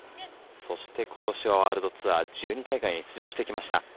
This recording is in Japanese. そして、今年はワールドツアー１２大会に出場してきました。